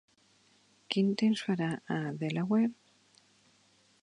Quin temps farà a Delaware?